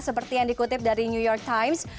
seperti yang dikutip dari new york times